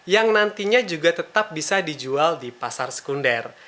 yang nantinya juga tetap bisa dijual di pasar sekunder